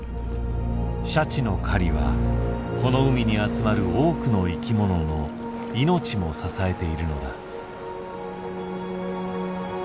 シャチの狩りはこの海に集まる多くの生きものの命も支えているのだ。